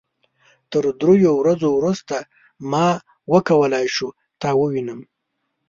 تر دریو ورځو وروسته ما وکولای شو تا ووينم.